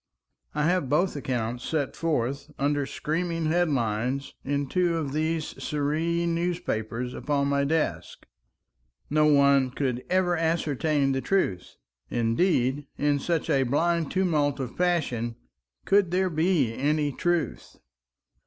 I have both accounts set forth, under screaming headlines, in two of these sere newspapers upon my desk. No one could ever ascertain the truth. Indeed, in such a blind tumult of passion, could there be any truth?